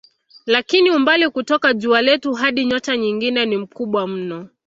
Lakini umbali kutoka jua letu hadi nyota nyingine ni mkubwa mno.